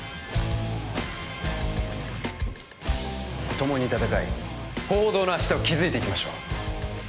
共に戦い報道の明日を築いていきましょう